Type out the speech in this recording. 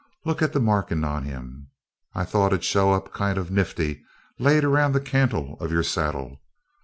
"Look at the markin' on him. I thought it ud show up kind of nifty laid around the cantle of your saddle.